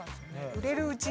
売れるうちに。